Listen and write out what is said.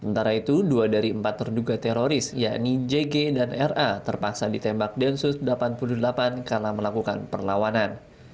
sementara itu dua dari empat terduga teroris yakni jg dan ra terpaksa ditembak densus delapan puluh delapan karena melakukan perlawanan